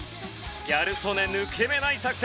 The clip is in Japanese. ギャル曽根抜け目ない作戦。